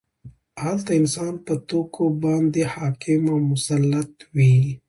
هلته انسان په توکو باندې حاکم او مسلط وي